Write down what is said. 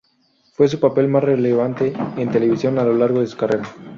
Fue su papel más relevante en televisión a lo largo de su carrera.